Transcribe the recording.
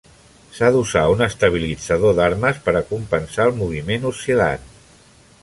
S'ha d'usar un estabilitzador d'armes per a compensar el moviment oscil·lant.